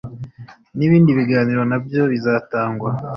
Ni ibindi biganiro na byo bizatangwa